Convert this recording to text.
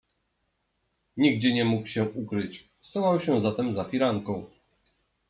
"Nigdzie nie mógł się ukryć, schował się zatem za firanką."